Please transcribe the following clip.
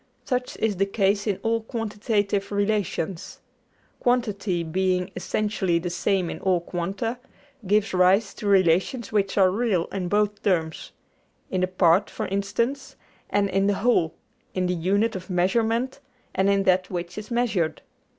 Such is the case in all quantitive relations. Quantity being essentially the same in all quanta, gives rise to relations which are real in both terms in the part, for instance, and in the whole, in the unit of measurement and in that which is measured.